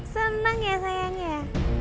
seneng ya sayangnya